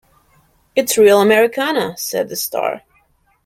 "It's real Americana," said the star.